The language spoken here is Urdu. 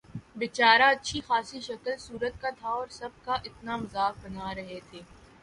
بے چارہ اچھی خاصی شکل صورت کا تھا اور سب اس کا اتنا مذاق بنا رہے تھے